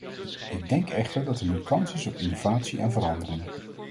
Ik denk echter dat er nu kans is op innovatie en verandering.